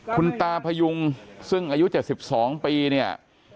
คุณตาพยุงซึ่งอายุ๗๒ปีเนี่ย